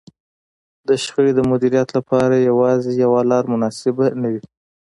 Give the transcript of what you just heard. د شخړې د مديريت لپاره يوازې يوه لار مناسبه نه وي.